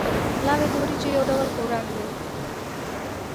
پلاو د وریجو یو ډول خوراک دی